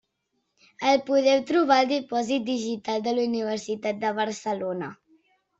El podeu trobar al Dipòsit Digital de la Universitat de Barcelona.